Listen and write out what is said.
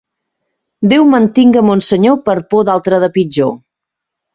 Déu mantinga mon senyor per por d'altre de pitjor.